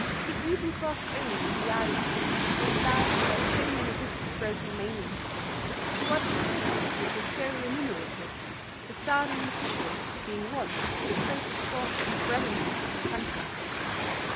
They even crossed over to the islands, which lie like so many bits of broken mainland, to watch the fishing which is so remunerative, the sardine fishery being one of the greatest sources of revenue of the country.